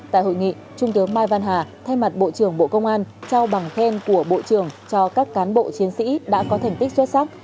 tại hội nghị trung tướng mai văn hà thay mặt bộ trưởng bộ công an trao bằng khen của bộ trưởng cho các cán bộ chiến sĩ đã có thành tích xuất sắc